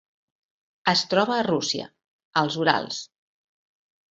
Es troba a Rússia, als Urals.